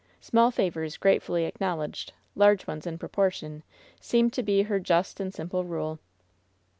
"Small favors gratefully acknowledged, large ones in proportion,'* seemed to be her just and simple rule.